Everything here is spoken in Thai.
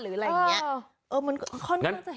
หรืออะไรอย่างเงี้ย